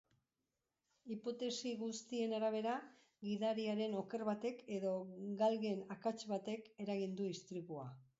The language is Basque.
Hipotesi guztien arabera gidariaren oker batek edo galgen akats batek eragin du istripua.